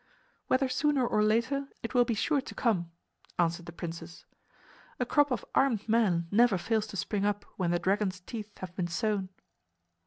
"Whether sooner or later, it will be sure to come," answered the princess. "A crop of armed men never fails to spring up when the dragon's teeth have been sown."